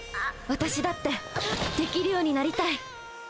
私だってできるようになりたい！